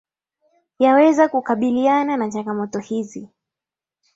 yaweze kukabiliana na changamoto hizi